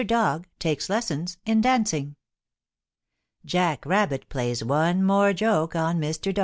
DOG TAKES LESSONS IN DANCING JACK RABBIT PLAYS ONE MORE JOKE ON MR.